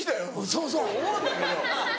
そうそう。って思うんだけど。